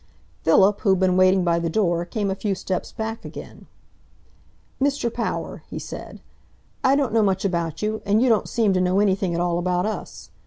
Philip, who had been waiting by the door, came a few steps back again. "Mr. Power," he said, "I don't know much about you, and you don't seem to know anything at all about us.